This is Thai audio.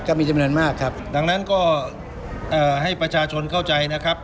มีจำนวนมากครับดังนั้นก็เอ่อให้ประชาชนเข้าใจนะครับ